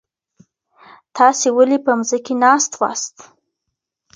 تاسي ولي په مځکي ناست سواست؟